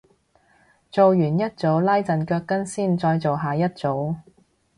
做完一組拉陣腳筋先再做下一組